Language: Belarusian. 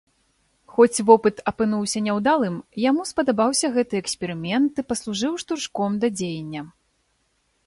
Хоць вопыт апынуўся няўдалым, яму спадабаўся гэты эксперымент і паслужыў штуршком да дзеяння.